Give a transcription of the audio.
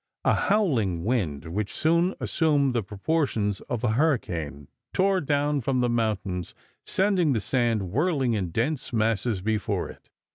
A howling wind, which soon assumed the proportions of a hurricane, tore down from the mountains sending the sand whirling in dense masses before it.